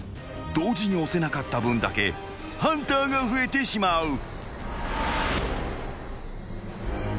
［同時に押せなかった分だけハンターが増えてしまう］